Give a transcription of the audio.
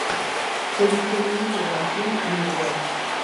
Se distribuyen por Brasil y Uruguay.